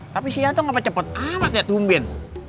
tapi si yanto kenapa cepet amat ya tumben